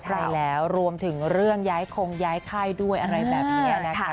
ใช่แล้วรวมถึงเรื่องย้ายคงย้ายไข้ด้วยอะไรแบบนี้นะคะ